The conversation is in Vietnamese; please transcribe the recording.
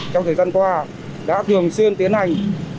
trong thời gian qua đã thường xuyên tiến hành